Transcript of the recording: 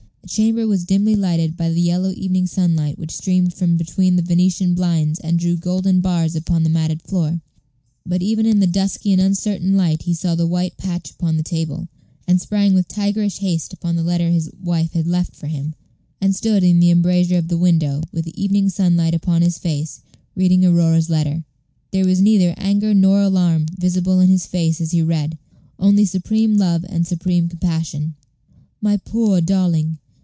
The chamber was dimly lighted by the yellow evening sunlight which streamed from between the Venetian blinds and drew golden bars upon the matted floor. But even in that dusky and uncertain light he saw the white patch upon the table, and sprang with tigerish haste upon the letter his wife had left for him. He drew up the Venetian blind, and stood in the embrasure of the window, with the evening sunlight upon his face, reading Aurora's letter. There was neither anger nor alarm visible in his face as he read only supreme love and supreme compassion. "My poor darling!